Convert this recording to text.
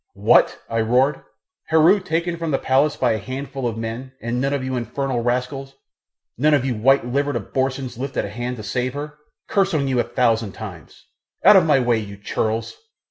"What!" I roared, "Heru taken from the palace by a handful of men and none of you infernal rascals none of you white livered abortions lifted a hand to save her curse on you a thousand times. Out of my way, you churls!"